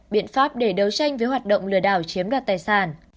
biện pháp để đấu tranh với hoạt động lừa đảo chiếm đoạt tài sản